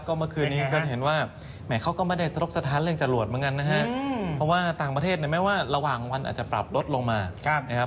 เมื่อคืนนี้ก็จะเห็นว่าแหมเขาก็ไม่ได้สลบสถานเรื่องจรวดเหมือนกันนะฮะเพราะว่าต่างประเทศเนี่ยแม้ว่าระหว่างวันอาจจะปรับลดลงมานะครับ